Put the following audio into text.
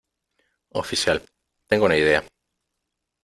oficial , tengo una idea .